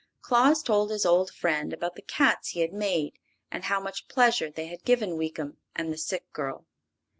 Claus told his old friend about the cats he had made, and how much pleasure they had given Weekum and the sick girl.